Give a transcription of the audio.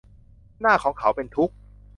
หน้าของเขาเป์นทุกข์